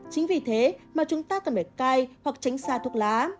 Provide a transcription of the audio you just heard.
chính vì thế mà chúng ta cần phải cai hoặc tránh xa thuốc lá